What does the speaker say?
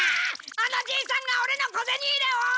あのじいさんがオレの小ゼニ入れを！